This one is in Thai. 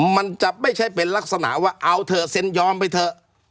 มันจะไม่ใช่เป็นลักษณะว่าเอาเถอะเซ็นยอมไปเถอะ